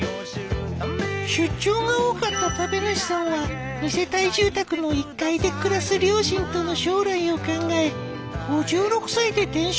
出張が多かった食べ主さんは二世帯住宅の１階で暮らす両親との将来を考え５６歳で転職。